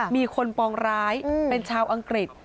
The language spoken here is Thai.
มีคนปองร้ายเป็นชาวอังกฤษ